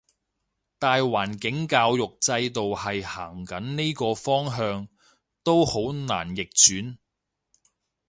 大環境教育制度係行緊呢個方向，都好難逆轉